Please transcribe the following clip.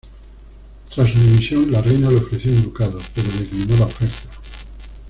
Tras su dimisión, la reina le ofreció un ducado pero declinó la oferta.